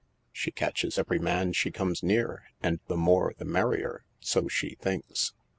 She catches every man she comes near, and the more the merrier, so she thinks."